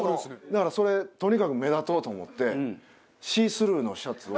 だからそれとにかく目立とうと思ってシースルーのシャツを。